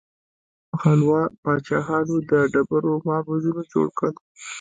پالوا پاچاهانو د ډبرو معبدونه جوړ کړل.